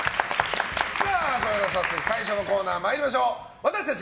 それでは早速最初のコーナー参りましょう私たち